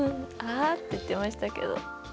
「あぁ！？」って言ってましたけど。